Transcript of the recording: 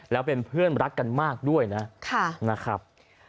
แล้วเป็นเพื่อนรักกันมากด้วยนะครับ